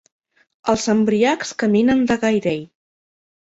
Els embriacs caminen de gairell.